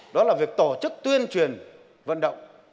đó là việc tổ chức tuyên truyền vận động